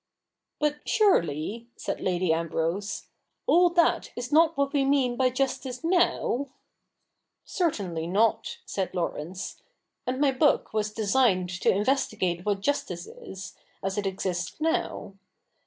' But surely," said Lady Ambrose, 'all that is not what we mean by justice now ?'' Certainly not,' said Laurence ; and my book was CH. ii] THE NEW REPUBLIC 99 designed to investigate what justice is, as it exists nuw.